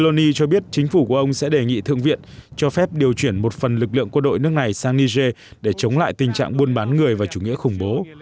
ông lenini cho biết chính phủ của ông sẽ đề nghị thượng viện cho phép điều chuyển một phần lực lượng quân đội nước này sang niger để chống lại tình trạng buôn bán người và chủ nghĩa khủng bố